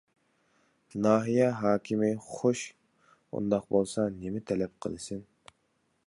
ناھىيە ھاكىمى:-خوش، ئۇنداق بولسا نېمە تەلەپ قىلىسەن.